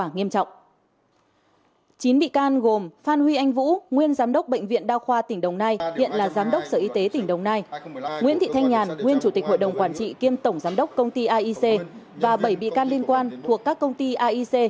nguyễn thị thanh nhàn nguyên chủ tịch hội đồng quản trị kiêm tổng giám đốc công ty aic và bảy bị can liên quan thuộc các công ty aic